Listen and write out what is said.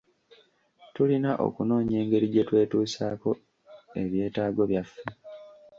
Tulina okunoonya engeri gye twetuusaako ebyetaago byaffe.